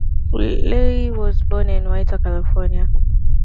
Lay was born in Whittier, California.